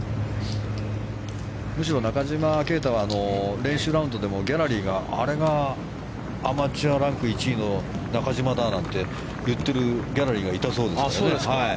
むしろ中島啓太は練習ラウンドでもギャラリーがあれがアマチュアランク１位の中島だなんて言ってるギャラリーがいたそうですけどね。